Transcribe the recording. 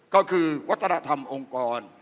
ก็คือวัฒนธรรมองค์กร